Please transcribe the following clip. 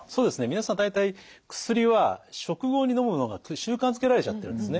皆さん大体薬は食後にのむのが習慣づけられちゃってるんですね。